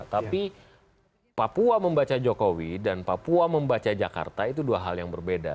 tapi papua membaca jokowi dan papua membaca jakarta itu dua hal yang berbeda